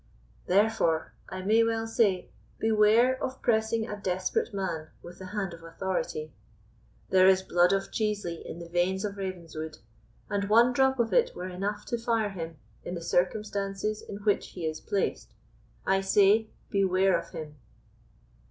Therefore I may well say, beware of pressing a desperate man with the hand of authority. There is blood of Chiesley in the veins of Ravenswood, and one drop of it were enough to fire him in the circumstances in which he is placed. I say, beware of him."